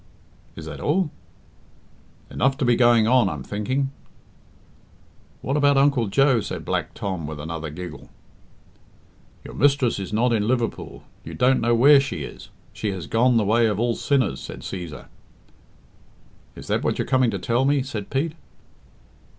"Is that all?" "Enough to be going on, I'm thinking." "What about Uncle Joe?" said Black Tom, with another giggle. "Your mistress is not in Liverpool. You don't know where she is. She has gone the way of all sinners," said Cæsar. "Is that what you're coming to tell me?" said Pete.